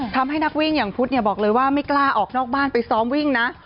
นักวิ่งอย่างพุทธเนี่ยบอกเลยว่าไม่กล้าออกนอกบ้านไปซ้อมวิ่งนะ